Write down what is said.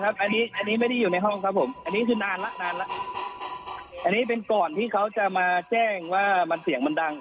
อันนี้ไม่ได้อยู่ในห้องครับผมอันนี้คือนานละอันนี้เป็นก่อนที่เค้าจะมาแจ้งว่าเสียงมันดัง